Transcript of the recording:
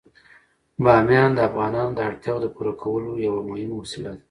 بامیان د افغانانو د اړتیاوو د پوره کولو یوه مهمه وسیله ده.